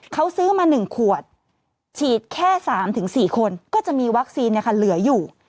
แค่๓๔คนก็จะมีวัคซีนเหลืออยู่